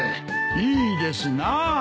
いいですなぁ。